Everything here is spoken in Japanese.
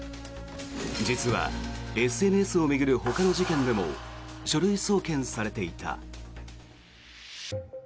実は、ＳＮＳを巡るほかの事件でも書類送検されていた。